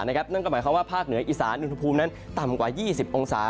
นั่นก็หมายความว่าภาคเหนืออีสานอุณหภูมินั้นต่ำกว่า๒๐องศา